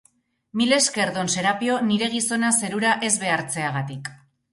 Milesker, don Serapio, nire gizona zerura ez behartzeagatik.